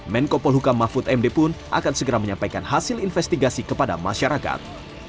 menko polhukam mahfud md pun akan segera menyampaikan hasil investigasi kepada masyarakat